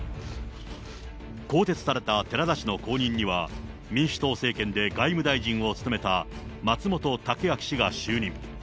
更迭された寺田氏の後任には、民主党政権で外務大臣を務めた松本剛明氏が就任。